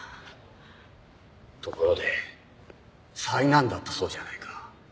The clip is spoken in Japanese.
ところで災難だったそうじゃないか。